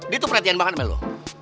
dia tuh perhatian banget sama lo